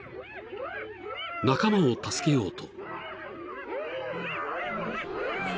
［仲間を助けようと］